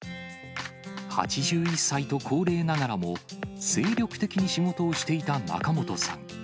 ８１歳と高齢ながらも、精力的に仕事をしていた仲本さん。